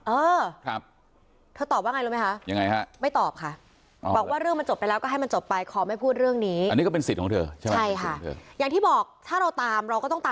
เออทอตอบว่ายังไงรู้มั้ยคะ